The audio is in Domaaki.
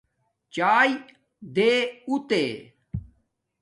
چاݵے دے اُتے